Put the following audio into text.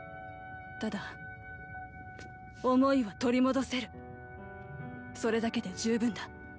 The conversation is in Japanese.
ただ思いは取り戻せるそれだけで十分だ。